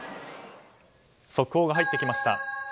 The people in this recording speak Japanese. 速報が入ってきました。